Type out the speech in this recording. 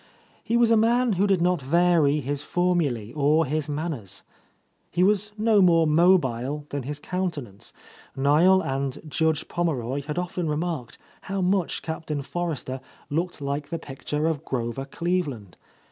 He was a man who did not vary his formulae or his manners. He was no more mobile than his countenance. Niel and Judge Pommeroy had often remarked how much Captain Forrester looked like the pic tures of Grover Cleveland.